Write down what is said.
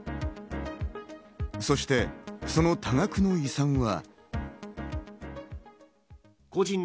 そしてその多額の遺産は。